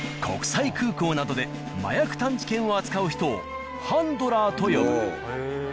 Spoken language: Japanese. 国際空港などで麻薬探知犬を扱う人をハンドラーと呼ぶ。